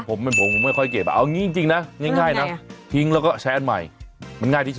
ผมเป็นผมผมไม่ค่อยเก็บเอางี้จริงนะง่ายนะทิ้งแล้วก็แชทใหม่มันง่ายที่สุด